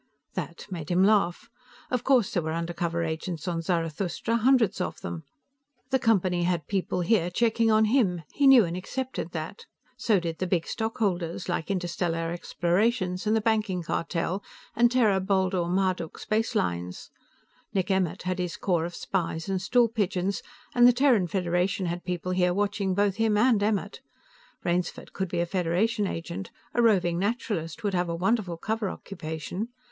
That made him laugh. Of course there were undercover agents on Zarathustra, hundreds of them. The Company had people here checking on him; he knew and accepted that. So did the big stockholders, like Interstellar Explorations and the Banking Cartel and Terra Baldur Marduk Spacelines. Nick Emmert had his corps of spies and stool pigeons, and the Terran Federation had people here watching both him and Emmert. Rainsford could be a Federation agent a roving naturalist would have a wonderful cover occupation.